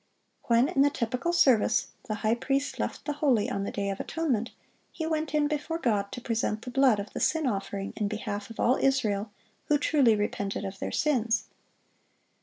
When in the typical service the high priest left the holy on the day of atonement, he went in before God to present the blood of the sin offering in behalf of all Israel who truly repented of their sins.